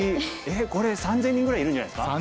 えっこれ３，０００人ぐらいいるんじゃないですか？